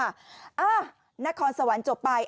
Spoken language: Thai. อ้าณครสวรรค์จบไป